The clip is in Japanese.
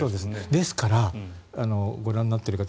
ですからご覧になっている方